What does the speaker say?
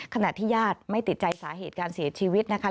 ขณะที่ญาติไม่ติดใจสาเหตุการเสียชีวิตนะคะ